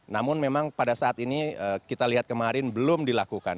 namun memang pada saat ini kita lihat kemarin belum dilakukan